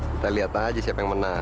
kita lihat aja siapa yang menang